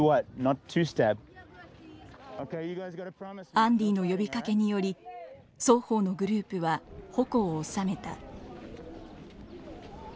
アンディの呼びかけにより双方のグループは矛を収めた。